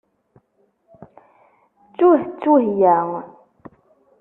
Ttuh ttuheya.